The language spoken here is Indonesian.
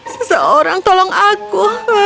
seseorang tolong aku